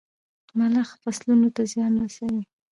ملخ فصلونو ته زيان رسوي.